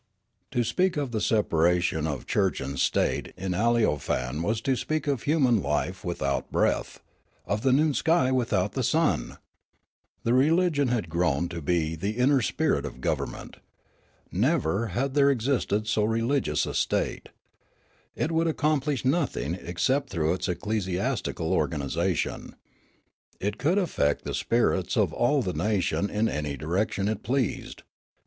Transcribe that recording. To speak of the separation of church and state in Aleofane was to speak of human life without breath, of the noon sky without the sun. The religion had grown to be the inner spirit of government. Never had there existed so religious a state. It could accomplish nothing except through its ecclesiastical organisation. It could affect the spirits of all the nation in any direc tion it pleased.